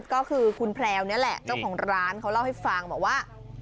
ก็คือคุณแพลวนี่แหละเจ้าของร้านเขาเล่าให้ฟังบอกว่า